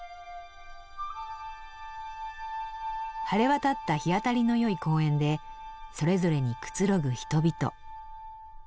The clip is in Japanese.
晴れ渡った日当たりのよい公園でそれぞれにくつろぐ人々。